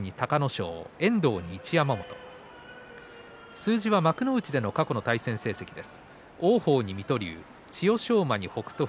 数字は幕内での過去の対戦成績です。